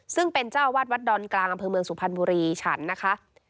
ซึ่งเป็นเจ้าวาดวัดดอนกลางอำเภอเมืองสุพรรณบุรีฉันนะคะ